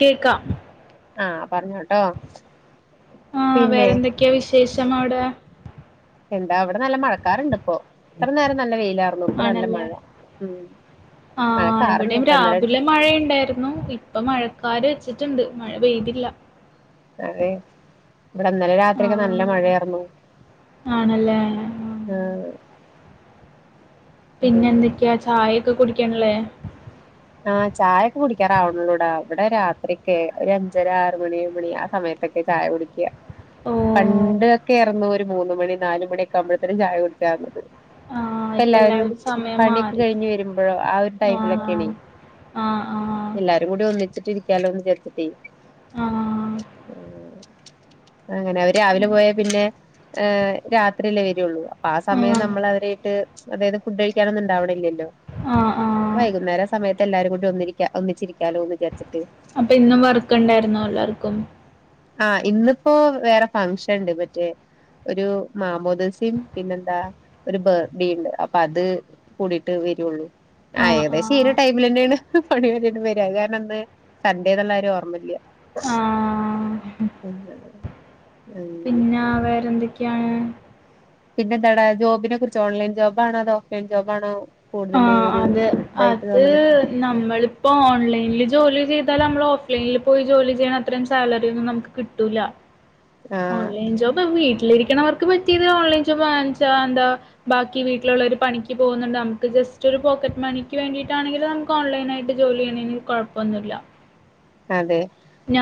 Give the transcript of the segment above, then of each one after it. കേക്കാം ആ പറഞ്ഞോട്ടോ. ആ പിന്നെ വേറെന്തൊക്കെയാ [unintelligible] എന്താ ഇവിടെ നല്ല മഴക്കാറുണ്ട്. ഇപ്പോ ഇത്ര നേരം നല്ല വെയിലാർന്നു ഇപ്പൊ നല്ല ആണല്ലേ മഴ ഉം ആ മഴക്കാറുണ്ട് ഇവിടെയും ട്ടോ ഇന്നലെ രാവിലെ മഴയുണ്ടായിരുന്നു ഇപ്പൊ മഴ കാര് വെച്ചിട്ടുണ്ട് മഴ പെയ്തില്ല. അതെ ഇവിടെ ഇന്നലെ ആ രാത്രിയെക്കെ നല്ല മഴയാറ്ന്നു ആ പിന്നെ എന്തൊക്ക്യയാ ചായ ഒക്കെ കുടിക്കണ്ല്ലേ? ആഹ ചായൊക്കെ കുടിക്കാറാവണള്ളൂടാ ഇവിടെ രാത്രിയെക്കെ ഒരു അഞ്ചര ആറ് മണി ഏഴ്മണി ആ സമയത്തൊക്കെ ചായ കുടിക്ക്യാ ഓ പണ്ടൊക്കെ ഏർന്നു ഒരു മൂന്ന് മണി നാല് മണിയൊക്കെ ആകുമ്പഴേത്തിന് ചായ കുടിക്കുവായിരുന്നു. ആ ഇപ്പ എല്ലാവരും സമയം പണിയൊക്കെ മാറി കഴിഞ്ഞ് വരുമ്പഴോ ആ ഒരു ടൈമിലൊക്കെയാണേ ആ ആ എല്ലാരും കൂടി ഒന്നിച്ചിട്ട് ഇരി ക്കാലോന്ന് വിചാരിച്ചിട്ടേ ആ ആ അങ്ങനെ അവര് രാവിലെ പോയ പിന്നെ രാത്രിയിലേ വരുള്ളു അപ്പൊ ആ സമയം നമ്മൾ അവരേയിട്ട് അതായത് ഫുഡ് കഴിക്കാനൊന്നും ഉണ്ടാവ്ണില്ലല്ലോ ആ ആ വൈകുന്നേരം സ് ട്ടിട്ടെല്ലാരും കൂടി ഒന്നിരിക്കാ ഒന്നിച്ചിരിക്കാലോന്ന് വിചാരിച്ട്ട് അപ്പ ഇന്നും വർക്ക് ഇണ്ടായിരുന്നോ എല്ലാർക്കും? ആ ഇന്ന്പ്പോ വേറെ ഫങ്ഷൻ ഇണ്ട് മറ്റേ ഒരു മാമോദീസേം പിന്നെന്താ ഒരു [unintelligible] ഇണ്ട് അപ്പ അത് കൂടിട്ട് വരൊള്ളൂ. ആ ഏകദേശ ഈ ഒര് ടൈ ഇങ്ങനേണ് പണി വര് വര് കാരണം ഇന്ന് സൺഡേന്ന്ള്ള കാര്യംഓർമ്മല്ല്യ ആ [unintelligible] പിന്ന വേറെന്തൊക് ക്കെയാണ്. പിന്നെ എന്താടാ ജോബിനെ കുറിച്ച് ഓൺലൈൻ ജോബാണോ അതോ ഓഫ് ലൈൻ ജോബാണോ? ആ കൂടുതൽ ഒരു അതെ ഇതായിട്ട് അത് തോന്നണ് നമ്മളിപ്പോ ഓൺലൈനിൽ ജോലി ചെയ് ത്താല് നമ്മള് ഓഫ് ലൈനിൽ പോയി ജോലി ചെയ്യണ അത്രയും സാലറിയൊന്നും നമുക്ക് കിട്ടൂല്ല ആഹ് ഓൺലൈൻ ജോബാവു വീ ട്ടിലിരിക്കണവർക്ക് പറ്റിയത് ഓൺലൈൻ ജോബാണ്ച്ചാ എന്താ ബാക്കി വീട്ടിലുള്ള ഒരു പണിക്ക് പോകുന്നുണ്ട് നമുക്ക് ജസ്റ്റ് ഒരു പോക്കറ്റ് മണിക്ക് വേണ്ടിട്ടാണെങ്കിലും നമുക്ക് ഓൺലൈൻ ആയിട്ട് ജോലി ചെയ്യണേന് കൊഴപ്പൊന്നുല്ല. അതെ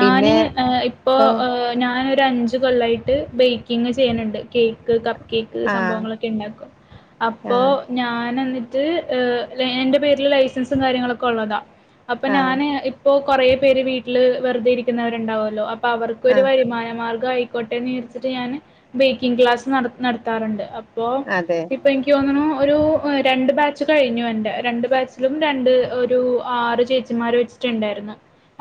പിന്നെ ഏ ഇപ്പോ ഇപ്പൊ ഏ ഞാന് ഒര് [unintelligible] അഞ്ച് കൊല്ലായിട്ട് ബേക്കിംഗ് ചെയ്യണണ്ട്, കേക്ക്, കപ് കേക്ക് ആഹ് സംഭവങ്ങളൊക്കെ ഇണ്ടാക്കും, അപ്പോ ആഹ് ഞാനന്നി ട്ട് ഏ ലെ എന്റെ പേരില് ലൈസൻസും കാര്യങ്ങളൊക്കെ ഒള്ളതാ. അപ്പ ആഹ് ഞാന് ഇപ്പോ കൊറേ പേര് വീട്ടില് വെറുതെ ഇരിക്കുന്നവര് ഇണ്ടാവുവല്ലോ. അപ്പ അവർക്കൊരു ആഹ് വരുമാന മാർഗായി ആയിക്കോട്ടെന്ന് വിചാരിച്ചിട്ട് ഞാന് ബേക്കിംഗ് ക്ലാസ്സ് നട് നടത്താറുണ്ട്, അപ് പ്പോ അതെ ഇപ്പ എനിക്ക് തോന്നണു ഒരു രണ്ട് ബാച്ച് കഴിഞ്ഞു എന്റെ രണ്ട് ബാച്ചിലും രണ്ട് ഒരു ആറ് ചേച്ചിമാര് വെച്ചിട്ടിണ്ടായിരുന്നു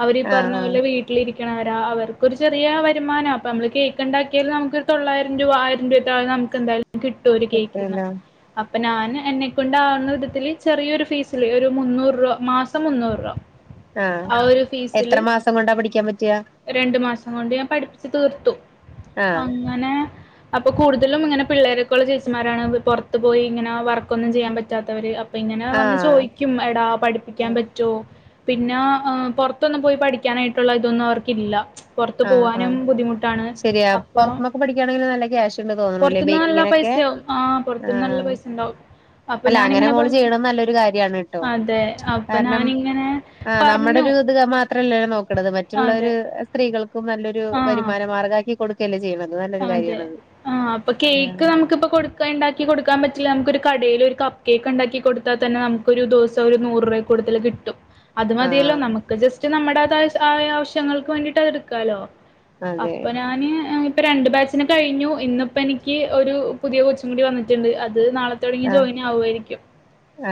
അവരീ ആഹ് ആഹ് പറഞ്ഞപോലെ വീട്ടിലിരി ക്ലാര അവർക്കൊരു ചെറിയ വരുമാന അപ്പ മ്മള് കേക്ക് ഇണ്ടാക്കിയാൽ നമ്മുക്കൊരു തൊള്ളായിരം രൂപ ആയിരം രൂപേ താഴെ നമുക്ക് എന്താ കിട്ടും ഒരുകേക്കിന് കിട്ടല്ലോ അപ്പ ഞാൻ എന്നെക്കൊണ്ടാവുന്ന വിധത്തില് ചെറിയൊരു ഫീസില് ഒരു മുന്നൂറ് രൂപ മാസം മുന്നൂറ് രൂവ ആ എത്ര മാസം കൊണ്ടാ പഠിക്കാൻ പറ്റ്വ അങ്ങോണ്ട് ഞാൻ പഠിപ്പിച്ച് തീർത്തു ആഹ് അങ്ങനെ അപ്പൊ കൂടുതലും ഇങ്ങനെ പിള്ളേരോക്കുള്ള ചേച്ചിമാരാണ് പുറത്തു പോയി ഇങ്ങനെ വർക്കൊന്നും ചെയ്യാൻ പറ്റാത്തവര് അ പ്പൊ ഇങ്ങനെ വന്ന് ആഹ് ചോദിക്കും എടാ പഠിപ്പിക്കാൻ പറ്റ്വോ പിന്നെ പൊറത്തൊന്നും പോയി പഠിക്കാനായിട്ടുള്ള ഇതൊന്നും അവർക്കില്ല പൊറത്ത് ആഹ് പോവാനും ആഹ് ബുദ്ധിമുട്ടാണ് ശരിയാ അപ്പൊ പൊറത്ത്ന്നൊക്കെ പഠിക്കയാണെങ്കി നല്ല ക്യാഷ് ഉണ്ട് തോന്നണല്ലേ പുറത്തുന്ന് നല്ല ബേക്കിങ്ങിനൊക്കെ പൈസയാവും ആ ആ പുറത്തുന്ന് നല്ല പൈസ ഉണ്ടാവും അപ്പൊ അല്ല അങ്ങനെ ഞാനിങ്ങനെ മോള് പറഞ്ഞു ചെയ്യണംന്ന് നല്ലൊരു കാര്യണ് ട്ടോ അതെ അപ്പൊ കാരണം ഞാനിങ്ങനെ ആ നമ്മുടെ പറഞ്ഞു ഒരു ത് മാത്രല്ല നോക്കണത് മറ്റുള്ളരു അതെ ട്ടികൾ ക് നല്ലൊരു ആഹ് വരുമാനമാർഗാക്കി കൊടുക് ലെ ചെയ്യുണ അതെ ആ അപ്പൊ കേക്ക് നമുക്ക്പ്പൊ കൊടുക്കാ ഇണ്ടാക്കി കൊടുക്കാൻ പ നമുക്കൊരു കടൽ ഒരു കപ്പ് കേക്ക് ഉണ്ടാക്കി കൊടുത്താൽ തന്നെ നമുക്ക് ഒരു ദിവസ ഒരു നൂറ് രൂപ കൂടുതൽ കിട്ടും അത് മതിയല്ലോ ആഹ് നമുക്ക് ജസ്റ്റ് നമ്മ ടേതായ ആവശ്യങ്ങൾക്ക് വേണ്ടിട്ട് അത് എടുക്കാലോ. അതെ അപ്പ ഞാന് [unintelligible] ഇപ്പ രണ്ട് ബാച്ചിന് കഴിഞ്ഞു, ഇന്നിപ്പോ എനിക്ക് ഒരു പുതിയ കൊച്ചും കൂടി വന്നിട്ടുണ്ട്, അ ആഹ്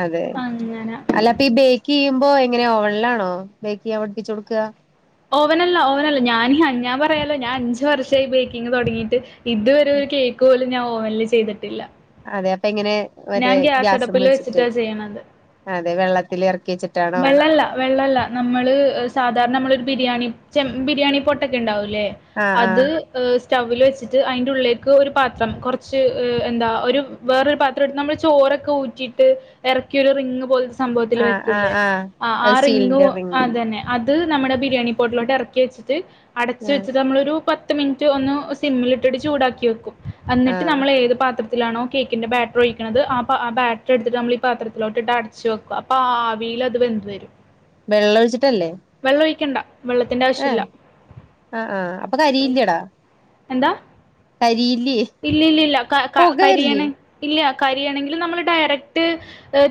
അതെ അങ്ങനെ അല്ല അപ്പ ഈ ബേക്കെയ്യുമ്പോ എ ങ്ങനെ ഓവൻലാണോ ബേക്കെയ്യാന് പഠ്പ്പിച്ചൊട്ക്കാ ഓവനല്ല ഓവനല്ല ഞാനീ ഹഞ്ഞാ പറയല്ലാ ഞാൻ അഞ്ച് വർഷായി ബേക്കിങ് തൊടങ്ങിയിട്ട് ഇത് വരെ ഒരു കേക്ക് പോലും ഞാൻ ഓവല് ചെയ്തിട്ടില്ല അതെ എങ്ങനെ മറ്റേ ഞാൻ ഗ്യാസ ഗ്യാസുമ്മെ അടപ്പില് വെച്ചിട്ട് വെച്ചിട്ടാ ചെയ്യണത് അതെ വെള്ളത്തിൽ ഇറക്കി വെച്ചിട്ടാണോ വെള്ളല്ല വെള്ളല്ല നമ്മള് സാ സാധാരണ നമ്മള് ഒരു ബിരിയാ ബിരിയാണി പൊട്ടൊക്കെ ഉണ്ടാവുലെ ആഹ് ല്ല അത് ആഹ് സ്റ്റവൽ വെച്ചിട്ട് അതിന്റെ ഉള്ളിലേക്ക് ഒരു പാത്രം കുറച്ച് എന്താ ഒരു വേറൊരു പാ ഇത്രടുത്ത് നമ്മൾ ചോരൊക്കെ ഊറ്റിട്ട് ഇറക്കിയൊരു റിങ് പോല സംഭവത്തിൽ ആഹ് ആഹ് വെക്കേ ആഹ് ആ അത് റിങ്ങ് സ്റ്റീലിന്റെ റിങ് അതന്നെ അത് നമ്മുടെ ബിരിയാണി പോട്ടിലോട്ട് ഇറക്കി വെച്ചിട്ട് അടച്ച ആഹ് വെച്ച് നമ്മളൊരു പത്ത് പത്ത് മിനിറ്റ് ഒന്ന് സിമ്മിലിട്ടിട്ട് ചൂടാക്കി വെക്കും എന്നിട്ട് ആഹ് നമ്മൾ ഏത് പാത്രത്തി ത്തിലാണോ കേക്കിന്റെ ബേറ്റ ഒഴിക്കണത് ആഹ് ആഹ് ബേറ്ററെടുത്തിട്ട് നമ്മളീ പാത്രത്തിലോട്ടിട്ട് അടച്ച് വെക്കും, അപ്പൊ ആവിയില് അത് വെന്ത് വെരും. വെള്ളൊഴിച്ചിട്ടല്ലേ വെള്ളത്തിന്റെ ഏഹ് ആവശ്യമില്ല ആഹ് ആഹ് അപ്പൊ കരിയില്ലെടാ എന്താ അരി ഇല്ല ഇല്ല ഇല്ല കരിയണ് ഇല്ല കരിയാണെങ്കിൽ നമ്മള് ഡയറക്ട്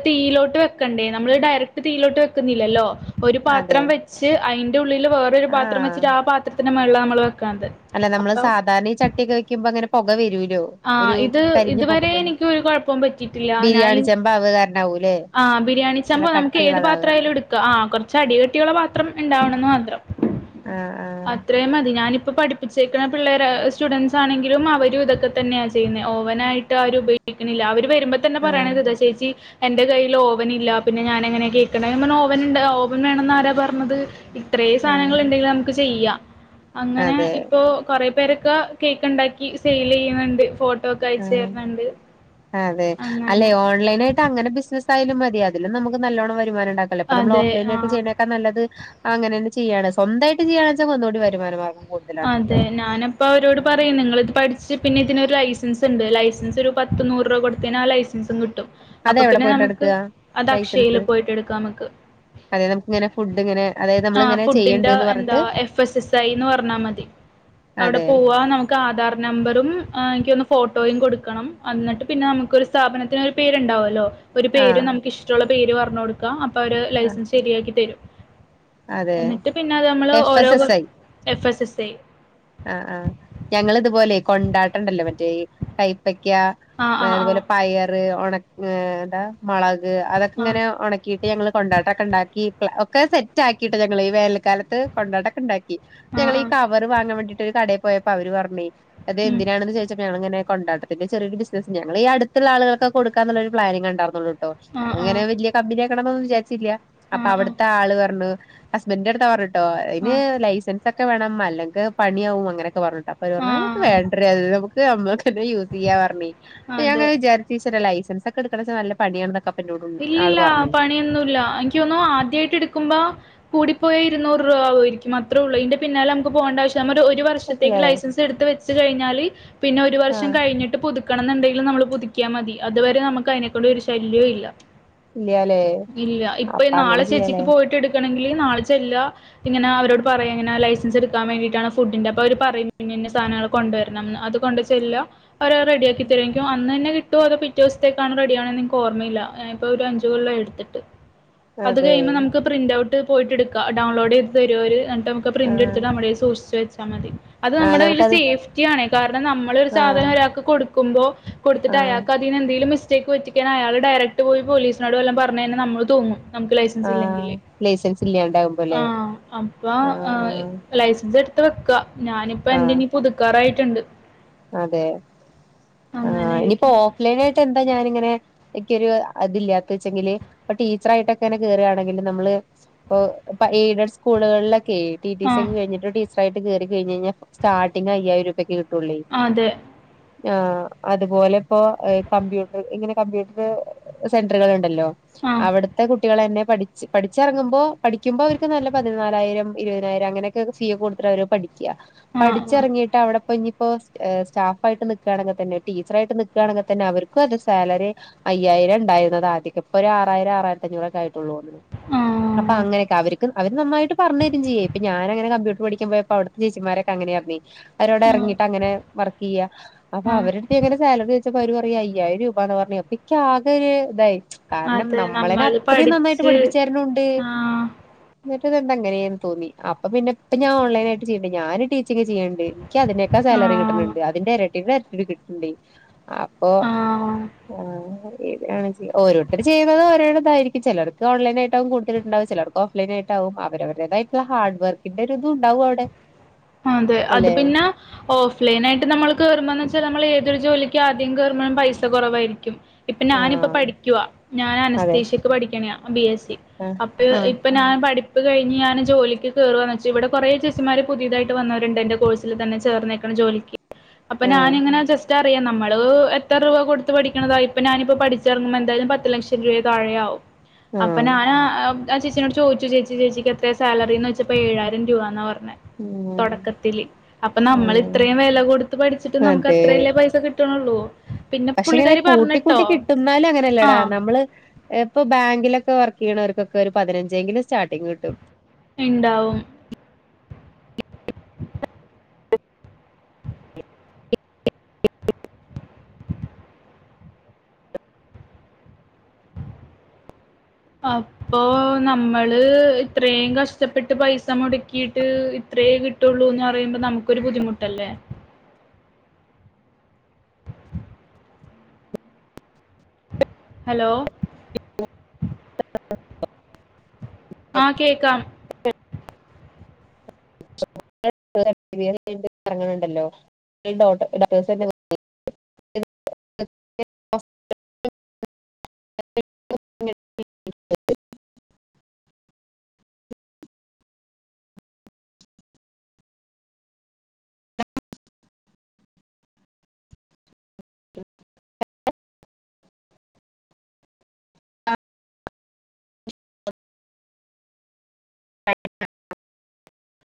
തീയിലോട്ട് വെക്കണ്ടേ നമ്മള് ഡയറക്ട് തീയിലോട്ട് വെക്കുന്നില്ലല്ലോ ഒരു അതെ പാത്രം വെച്ച് അയിന്റെ ഉള്ളിൽ അതില് വേറൊരു പാത്രം ആഹ് വെച്ചിട്ട് ആ പാത്രത്തിൽ ൻ്റെ മേളില് നമ്മള് വെക്കണത് അല്ല നമ്മള് അപ്പൊ സാധാരണ ഈ ചട്ടിയൊക്കെ വെക്കുമ്പോ ഇങ്ങനെ പൊക വെരൂ ആഹ് ഇത് ഇതുവരെ എനിക്ക് ഒരു കൊഴപ്പം പറ്റിയിട്ടില്ല, ഞാൻ ഈ ബിരിയാണി ചെമ്പ് ആവ് കാരണാവൂല്ലേ ആഹ് നല്ല ബിരിയാണിച്ചെമ്പോ നമുക്ക് ഏത് കട്ടിയുള്ളതാവ് കാരണം പാത്രായാലും എടുക്കാ ആ കൊറച്ച് അടികട്ടിയുള്ള പാ ത്രം ഇണ്ടാവണെന്ന് മാത്രം ആഹ് അത്രേ മതി ഞാൻ ഇ ഇപ്പോ പഠിപ്പിച്ചേക്കണ പിള്ളേര് സ്റ്റുഡൻറ്സാണെങ്കിലും അവരും ഇതൊക്കെ തന്നെയാ ചെയ്യുന്നേ ഓവനായിട്ട് ആരും ഉപയോഗിക്കണില്ല അവര് വെരുമ്പോ തന്നെ ആഹ് പറയണതാ ചേച്ചി എന്റെ കയ്യിൽ ഓവൻ ഇല്ല പിന്നെ ഞാൻ എങ്ങനെയാ കേക്ക്ന്നെ നമ്മനെ ഓവൻ ഉണ്ട് ഓവൻ വേണന്ന് ആരാ പറഞ്ഞത് ഇത്രേ സാധനങ്ങൾ ആഹ് ഉണ്ടെങ്കിലും നമുക്ക് ചെയ്യാം ആഹ് അങ്ങനെ അതെ ഇപ്പോ കൊറെ പേരൊക്കെ കേക്ക് ഉണ്ടാക്കി സൈൽ ചെയ്യ [unintelligible] ആ അതെ അല്ലെ അങ്ങനെ ഓൺലൈൻ ആയിട്ട് അങ്ങനെ ബിസിനസ് ആയാലും മതി അതിലും നമ്മക് നല്ലോണം വരുമാനംണ്ടാക്കല്ലോ ഇപ്പം നമ്മൾ അതെ ഓഫ്‌ലൈൻ ആയിട്ട് ആ ചെയ്യന്നെക്കാൾ നല്ലത് അങ്ങനെ തന്ന ചെയ്യാണ് സ്വന്തയിട്ട് ചെയ്യുകയാ വെച്ചാൽ ഒന്നുകൂടി വരുമാനമാർഗം അതെ ഞാനപ്പ അവരോട് പറയ നിങ്ങള ഇത് പഠിച്ചച്ച് പിന്നെ ഇതിനൊരു ഐ ലൈസൻസ് ഉണ്ട് ലൈസൻസ് ഒരു പത്ത് നൂറ് രൂപ കൊടുത്തേന് ആ ലൈസൻസും കിട്ടും അതെ അപ്പൊ എവിടെ പിന്നെ പോയിട്ട് നമുക്ക് എടുക്കുക അത് ലൈസൻസ് അക്ഷയില് പോയിട്ട് എടുക്കാം നമുക്ക് അതെ നമുക്ക് ഇങ്ങനെ ഫുഡ് ഇങ്ങനെ അതായത് ആ നമ്മളിങ്ങനെ ഫുഡിന്റെ ചെയ്യണ്ട്ന്ന് എന്താ പറഞ്ഞിട്ട് എഫ് എസ് എസ് ഐ എന്ന് പറഞ്ഞാൽ മതി അവിടെ അതെ പോവാ നമുക്ക് ആധാർ നമ്പറും എനിക്കൊന്ന് ഫോട്ടോയും കൊടുക്കണം എന്നിട്ട് പിന്നെ നമുക്കൊരു സ്ഥാപനത്തിനൊരു പേരുണ്ടാവുമല്ലോ ഒരു പേരും ആഹ് നമുക്ക് ഇഷ്ടുള്ള പേര് പറഞ്ഞ കൊടുക്ക അപ്പ ഒരു ആഹ് ലൈസൻസ് ശരിയാക്കി തരും അതെ എന്നിട്ട് പിന്നെ നമ്മള് എഫ് ഓരോ S S I F S S ശ ആ ആഹ് ഞങ്ങ ഇതുപോലെ കൊണ്ടാട്ടണ്ടല്ലോ മറ്റേഈ കൈപ്പ ക്ക്യ ആ ആ ആ അതുപോലെ പയറ് ഏതാ മളക് അതൊക്ക്ങ്ങനെ ആ ഉണക്കീട്ട് ഞങ്ങള് കൊണ്ടാട്ടൊക്കെ ഇണ്ടാക്കി ഒക്കെ സെറ്റാക്കിയിട്ടൊ ഞങ്ങള് ഈ വേനൽക്കാലത്ത് കൊണ്ടാട്ടൊക്കെണ്ടാക്കി ഇ ആ ഞങ്ങളീ ആ കവറ് വാങ്ങാൻ വേണ്ടി കടയി പോയപ്പൊ അവര് പറഞ്ഞെ ഉം. അതെന്തിനാണെന്ന് ചോദിച്ചപ്പോ ഞളിങ്ങനെ കൊണ്ടാട്ടത്തിന്റെ ചെറിയൊരു ബിസിനസ് ഞങ്ങളി അട്ത്ത്ള്ള ആളുകൾക്ക കൊടുക്കാന്നു ള്ളൊരു പ്ലാനിങ്ങെ ഇണ്ടാർന്നുള്ളു [unintelligible] ആഹ് അങ്ങനെ ആഹ്. വല്യ കമ്പിനിയാ ക്കണന്നൊന്ന് വിചാരിച്ചില്ല അപ്പൊ ആഹ് ആഹ്. അവിട്ത്തെ ആള് പറഞ്ഞു ഹസ്ബന്റ് ട്താ പറ് ട്ടോ അയിന് ആഹ് ലൈസൻസൊക്കെ ട്ട വേണം അല്ലെങ്ക പണിയാവും അങ്ങനൊക്കെ പറഞ് അപ്പവര് പറഞ്ഞു നമുക്ക് ആഹ്. വേണ്ടെടീ അത് നമുക്ക് തേ അമ്മക് യൂസീയ്യ പറഞ്ഞുയ്. അപ്പൊ അതെ. ഞാനിങ്ങനെ വിചാരിച് ഈശ്വര ലൈഫ് ഫ്രണ്ട്‌സൊക്കെ എടുക്കണച നല്ല പണിയാണ്ന്നൊക്കെ പ ഇല്ലില്ല പണിയൊന്നുല്ല എൻക്ക് തോന്നുന്നു ആദ്യായിട്ട് എടുക്കുമ്പോ കൂടിപ്പോയ ഇരുന്നൂറ് രൂപ ആവാ യിരിക്കും അത്രെള്ളു ഈന്റെ പിന്നാലെ നമുക്ക് പോണ്ട ആവശ്യം ഞാ ഒരു ഒരു വർഷത്തേക്ക് മനസ്സിലേ ലൈസൻസ് എടുത്ത് വച്ച് കഴി ഞാലി പിന്നെ ഒരു വർഷം ആഹ് കഴിഞ്ഞിട്ട് പുതു ക്കണം എന്ന്ണ്ടേലും നമ്മള് പുതുക്കിയ മതി. അതുവരെ നമ്മക്ക് അതിനെക്കൊണ്ട് ഒരു ശല്ല്യോല്ല ഇല്ല്യാലേ ഇല്ല ഇപ്പ അപ്പൊ അങ്ങനെ നാളെ ചേച്ചിക്ക് ചെയ്യാലേ പോയിട്ട് ഇട്ക്കണങ്കി നാളെ ചെല്ലാ. ഇങ്ങന അവരോട് പറയ ഇങ്ങനെ ലൈസൻസ് എടുക്കാൻ വേണ്ടിട്ടാണ് ഫുഡിന്റെ അപ്പൊ അവര് പറയും ഇന്നന്ന സാധനങ്ങൾ കൊണ്ടുവരണംന്ന് അത് കൊണ്ട് ചെല്ല. അപ്പൊ അവര് റെഡിയാക്കി തരും. എൻക് അന്ന് തന്നെ കിട്ടോ അതോ പിറ്റേ ദിവസത്ക്കാണോ റെഡി ആവ്ണെ ൻക് ഓർമ്മയില്ല ഏഹ് ഇപ്പൊ ഒരു അഞ്ച് കൊല്ലായി എട് ത്തിട്ട് അത് അതെ കയ്യുമ്പോ നമുക്ക് പ്രിന്റ് ഔ ട്ട് പോയിട്ട് എടുക്ക ഡൗൺലോഡീത് തരോ അവര് ഞമ്മക്ക് പ്രിന്റ് ആഹ് എടുത്തിട്ട് നമ്മടെ സൂക്ഷിച് വെച സമ്മന്തി അത് ആഹ് നമ്മടെ കയ്യില് നമുക്കത് സേഫ്റ്റിയാണ് കാരണം നമ്മളൊരു ആഹ് സാധനം ഒരാക്ക് കൊടു കുമ്പോ കൊട്ത്ത്ട്ട് ആഹ് അയാൾക്കതിന്ന് എന്തേലും മിസ് റ്റെയ്ക്ക് പറ്റിക്ക്ണെ അയാള് ഡയറക്റ്റ് ഇട്ട് പോലീസിനോട് വല്ല പറഞ്ഞെഴിഞ്ഞ നമ്മള് തൂങ്ങും നമുക്ക് ലൈസൻസ് ആഹ് ഇല്ലെങ്കില് ലൈസൻസ് ആ ഇല്ലാണ്ടാകുമ്പോല്ലേ അപ്പ ആഹ് ആഹ് ലൈസൻസ് ത്രക്ക ഞാനിപ്പോ എന്റെ ആഹ് നീ പുതുക്കാറായിട്ട് ട്ടുണ്ട് അതെ ആ അങ്ങനെ ഇനിപ്പോ ഇരിക്കും ഓഫ് ലൈനാ യിട്ട് എന്താ ഞാനിങ്ങനെ എിക്കൊരു അതില്ലാത്ത വെച്ചെങ്കില് ഇപ്പൊ ടീച്ചർയിട്ടൊക്കെ അനെ കേറയാണെങ്കിൽ നമ്മള് ഇ ഇൊ എയ്ഡഡ് സ്കൂളുകളിലൊക്കെ കെ ടി ടി സി ആഹ് ഒക്കെ കഴിഞ്ഞിട്ട [unintelligible] യിട്ട് കയറി കഴിഞ് കഴിഞ്ഞാ സ്റ്റാർടിംഗ്അയായിരം രൂപയ്ക്ക് കിട്ടൂല്ലേ അതെ ആ അതുപോലെ ഇപ്പോ ഏഹ് കമ്പ്യൂട്ടറ് ഇങ്ങനെ കമ്പ്യൂട്ടറ് സെന്ററുകളുണ്ടല്ലോ ആഹ് അവിടുത്തെ കുട്ടികളന്നെ പഠിച്ച് പഠിച്ചിറങ്ങുമ്പോ പഠിക്കുമ്പോ അവർക്ക് നല്ല പതിനാലായിരം ഇരുപതിനായിരം അങ്ങനെയൊക്കെ ഫീ ഒക്കെ കൊടുത്തിട്ടാ അവര് പഠി ആഹ് ആഹ് പഠിച്ചെർങ്ങീട്ട് അവ്ടെ പോയി ഞ്ഞ് [unintelligible] സ്റ്റാഫായിട്ട് നിക്കാണെങ്ക് തന്നെ ടീച്ചറായിട്ട് നിക്കാണെങ്ക് തന്നെ അവര്ക്കത് സാലറി അയ്യായിരം ഇ ണ്ടായിരുന്നതാദ്യക്കെ. ഇപ്പോ ഒരാ റായിരം ആറായിര്ത്തഞ്ഞൂറൊക്കെ ആ അപ്പ ആഹ് അങ്ങനെയൊക്കെ അവര്ക്ക് അവര് നന്നായിട്ട്പർഞ്ഞരും ചെയ്യേ. ഇപ്പ ഞാനങ്ങനെ കമ്പ്യൂട്ടർ പഠിക്ക്മ്പയെ പ്പോ അവ്ടുത്തെ ചേച്ചിമാരൊക്കെങ്ങനെയാർന്നെ. അവരോട് ആഹ് എർങ്ങീട്ട് അങ്ങനെ. വർക്കെയ്യ അപ്പ ആഹ് അവരട്ത്ത് ഞാ ങ്ങനെ സാലറി ചോയ്ച്ചപ്പം അവര് പർ അയ്യായിരം രൂപാന്ന് പർഞ്ഞെ അപ്പ ഇക്ക് ആകെ ഒര് തായി. കാരണം അതെ നമ്മളേനെ നമ്മള് അത്രയും നന്നായിട്ട് പഠിച്ച് പഠിപ്പിച്ചര്ണും ണ്ട്. ആഹ് ഇതെന്താ ഇങ്ങനേന്ന് തോന്നി. അപ്പ പിന്നപ്പ ഞാ ഓൺലൈനായിട്ട് ചെയ്യ്ണ്ട്. ഞാന് ടീ ച്ചിങ്ങ് ചെയ്യണ്ട്. ക്ക് അതിനേക്കാൾ സാലറി കിട്ട ണ് ആഹ് ണ്ട്. അതിന്റെ എരട്ടിന്റെ എര് ഇത് കിട്ടണ്ടേ. അപ്പൊ ആഹ് ആഹ്. ണ് ചെ ഓരോരുത്തര് ചെയ്യുന്നത് ഓരോരോ തായിരിക്കും. ചെലർക്ക് ഓൺലൈനായിട്ടാകും കൂട്തല് ണ്ടാവ. ചെലർക്ക് ഓഫ് ലൈനായിട്ടാവും. അവരവരുടേതായിട്ട്ള്ള ഹാഡ് വർക്കിന്റെ ഒരു ഇത് ഉണ്ടാവും അവ് ടെ. അതെ അത് പിന്നെ പ്ലെയിനായിട്ട് നമ്മൾ കേറുമ്പൊ ന്ന് വെച്ചാ നമ്മള് ഏതൊരു ജോലിക്കും ആദ്യം കേറുമ്പഴും പൈസ കൊ റവായിരിക്കും. ഇപ്പൊ ഞാനിപ്പ ആഹ് പഠിക്കുവാ ഞാൻ അതെ അനസ്തേഷ്യക്ക് പഠിക്കെണ ആഹ് ബി എസ് ആഹ് അപ്പഴ് ആഹ് ഇപ്പൊ ഞാൻ പഠി പഠിപ്പ് കഴിഞ്ഞ് ഞാൻ ജോലിക്ക് കേറുവാന്ന് വെച്ച് ഇവടെ കൊറെ ചേച്ചിമാര് പുതിയതായി ട്ട് വന്നവരുണ്ട് എന്റെ കോഴ്സിൽ തന്നെ ചേർന്നേക്കണം ജോലിക്ക് അപ്പൊ ഞാൻ ആഹ് ഇങ്ങനെ ജസ്റ്റ് നമ്മള് എത്ര രൂപ കൊടുത്ത് പഠിക്കണതായി ഇപ്പൊ ഞാനി പഠിച്ചിറങ്ങുമ്പോ എന്തായാലും പത്ത് ലക്ഷം രൂപ താഴെയാവും അപ്പൊ ആഹ് ഞാന് ആ ചേച്ചിനോട് ചോദിച്ചു ചേച്ചി ചേച്ചിക്ക് എത്ര സാലറീന്നോയ്ച്ചപ്പോ ഏഴായിരം രൂപ എന്നാ പറഞ്ഞ ഉം തൊടക്കത്തില് അപ്പൊ നമ്മള് ആഹ് ഇത്രീം വെല കൊട്ത്ത് പഠിച്ചിട്ട് നമുക്ക് അത്രയല്ലേ പൈസ കിട്ട്ണൊള്ളൂ പക്ഷെങ്കില് കൂട്ടി കൂട്ടി കിട്ടുന്നാല് അങ്ങനെല്ലടാ ആഹ് നമ്മള് ഇപ്പൊ ബാങ്കിലൊ ക്കേ വർക്ക് ചെയ്യുന്നവർക്കൊക്കെ പതിനഞ്ചെങ്കിലും സ്റ്റർട്ടിങ് കിട്ടും ഇണ്ടാവും [inaudible] അപ്പോ നമ്മള് ഇത്രയും കഷ്ടപ്പെട്ട് പൈസ മുടക്കിയിട്ട് ഇത്രയേ കിട്ടുള്ളൂന്ന് പറയുമ്പോ നമുക്കൊരു ബുദ്ധിമുട്ടല്ലേ. ഹലോ ആ കേക്കാം. [unintelligible] ഇണ്ടല്ലോ [unintelligible] [unintelligible]